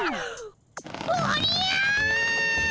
おりゃ！